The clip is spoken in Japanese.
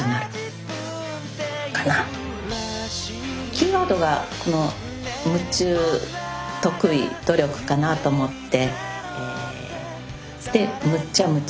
キーワードがこの「夢中得意努力」かなと思ってで「むっちゃ夢中」